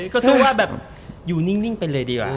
ก็สู้ว่าแบบอยู่นิ่งไปเลยดีกว่า